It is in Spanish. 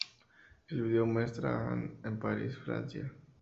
El video muestra a a-ha en París, Francia.